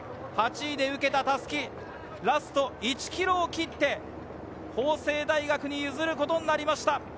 ８位で受けた襷、ラスト１ｋｍを切って法政大学に譲ることになりました。